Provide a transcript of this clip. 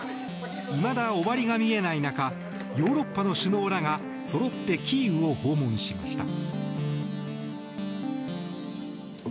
いまだ終わりが見えない中ヨーロッパの首脳らがそろってキーウを訪問しました。